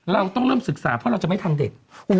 เราต้องเริ่มศึกษาเพราะเราจะไม่ทำเด็ก